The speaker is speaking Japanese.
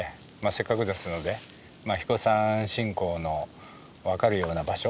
せっかくですので英彦山信仰の分かるような場所